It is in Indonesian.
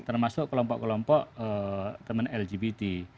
termasuk kelompok kelompok teman lgbt